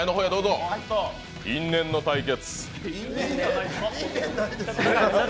因縁の対決。